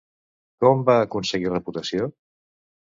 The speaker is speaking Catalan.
Com va aconseguir reputació?